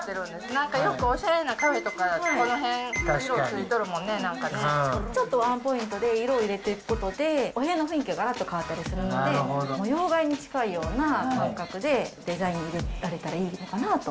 なんかよくおしゃれな壁とかこの辺、ようついとるもんね、なんかちょっとワンポイントで色を入れていくことで、お部屋の雰囲気ががらっと変わったりするので、模様替えに近いような感覚で、デザインされたらいいのかなと。